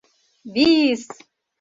Би-ис!